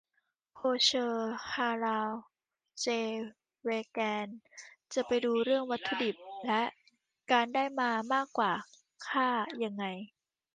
โคเชอร์ ฮาลาล เจ เวแกน จะไปดูเรื่องวัตถุดิบและการได้มามากกว่า ฆ่ายังไง